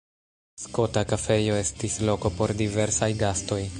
Skota Kafejo estis loko por diversaj gastoj.